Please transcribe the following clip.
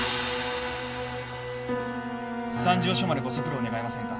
三条署までご足労願えませんか？